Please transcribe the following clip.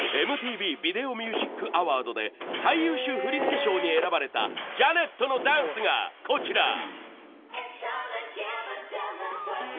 ＭＴＶビデオミュージックアワードで最優秀振付賞に選ばれたジャネットのダンスがこちら。